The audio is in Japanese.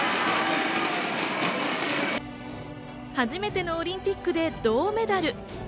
初めてのオリンピックで銅メダル。